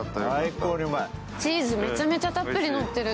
チーズ、めちゃめちゃたっぷりのってる。